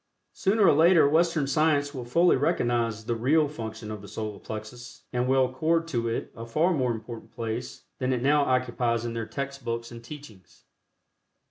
Sooner or later Western science will fully recognize the real function of the Solar Plexus, and will accord to it a far more important place then it now occupies in their text books and teachings.